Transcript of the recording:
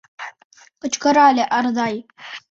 — кычкырале Ардай.